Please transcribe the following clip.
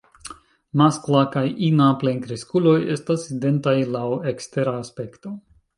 Maskla kaj ina plenkreskuloj estas identaj laŭ ekstera aspekto.